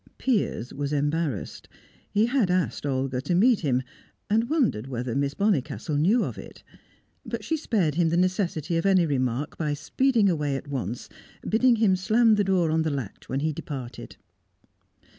Piers was embarrassed. He had asked Olga to meet him, and wondered whether Miss Bonnicastle knew of it. But she spared him the necessity of any remark by speeding away at once, bidding him slam the door on the latch when he departed.